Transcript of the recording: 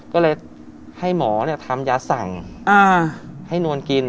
ก็เลยให้หมอทำยาสั่งให้นวลกิน